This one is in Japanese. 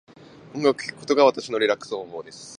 音楽を聴くことが私のリラックス方法です。